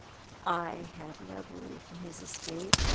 171 " I have no belief in his escape.